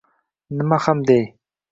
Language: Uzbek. Nima ham dey